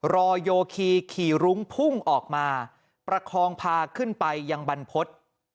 โยคีขี่รุ้งพุ่งออกมาประคองพาขึ้นไปยังบรรพฤษ